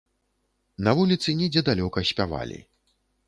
На вуліцы недзе далёка спявалі.